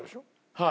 はい。